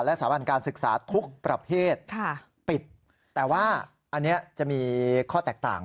และสถาบันการศึกษาทุกประเภทปิดแต่ว่าอันนี้จะมีข้อแตกต่าง